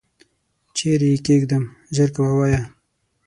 چیري یې کښېږدم ؟ ژر کوه ووایه !